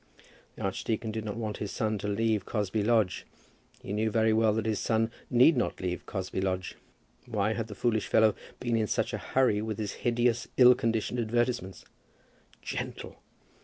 The archdeacon did not want his son to leave Cosby Lodge. He knew well enough that his son need not leave Cosby Lodge. Why had the foolish fellow been in such a hurry with his hideous ill conditioned advertisements? Gentle!